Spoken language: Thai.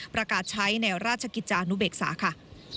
ประกาศใช้ในราชกิจจานุเบกษาค่ะ